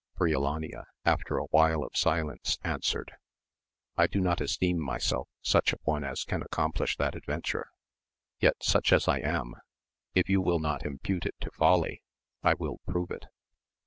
Briolania, after a while of silence, answered, I do not esteem myself such a one as can accomplish that adventure, yet such as I am, if you will not impute it to folly, I will prove it.